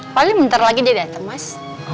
paling bentar lagi dia datang mas